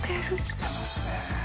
してますね。